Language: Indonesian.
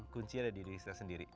kuncinya diri sendiri